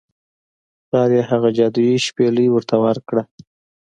پلار یې هغه جادويي شپیلۍ ورته ورکړه.